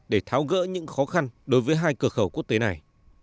để tháo gỡ những khó khăn đối với hai cửa khẩu quốc tế này